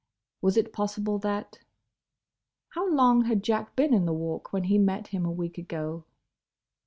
Was it possible that—? How long had Jack been in the Walk when he met him a week ago?